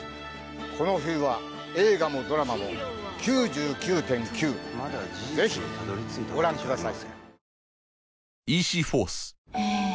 この冬は映画もドラマも「９９．９」ぜひご覧ください